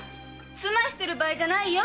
すましてる場合じゃないよ！